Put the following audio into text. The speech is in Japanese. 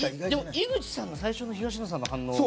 井口さんの最初の東野さんの反応。